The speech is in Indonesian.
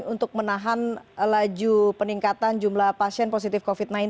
untuk menahan laju peningkatan jumlah pasien positif covid sembilan belas